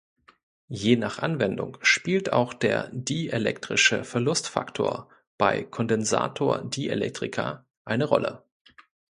Je nach Anwendung spielt auch der dielektrische Verlustfaktor bei Kondensator-Dielektrika eine Rolle.